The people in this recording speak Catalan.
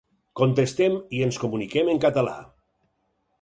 Contestem i ens comuniquem en català.